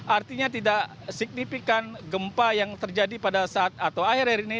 artinya tidak signifikan gempa yang terjadi pada saat atau akhir akhir ini